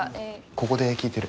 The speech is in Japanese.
ここで聞いてる。